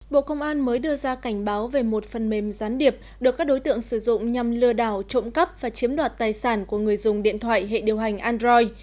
bộ công an mới đưa ra cảnh báo về một phần mềm gián điệp được các đối tượng sử dụng nhằm lừa đảo trộm cắp và chiếm đoạt tài sản của người dùng điện thoại hệ điều hành android